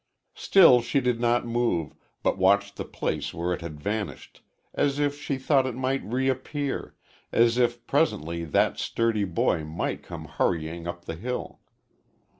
Still she did not move, but watched the place where it had vanished, as if she thought it might reappear, as if presently that sturdy boy might come hurrying up the hill.